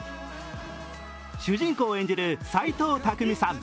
主人公を演じる斎藤工さん。